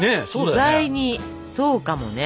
意外にそうかもね。